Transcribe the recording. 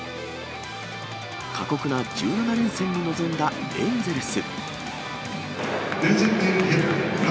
過酷な１７連戦に臨んだエンゼルス。